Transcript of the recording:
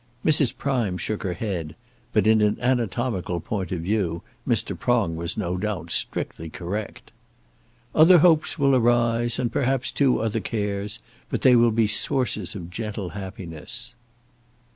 Mrs. Prime shook her head; but in an anatomical point of view, Mr. Prong was no doubt strictly correct. "Other hopes will arise, and perhaps, too, other cares, but they will be sources of gentle happiness."